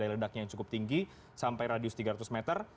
ledaknya yang cukup tinggi sampai radius tiga ratus meter